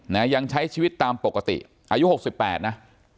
และยังใช้ชีวิตตามปกติอายุ๖๘นะ